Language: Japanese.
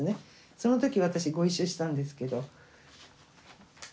その時私ご一緒したんですけど。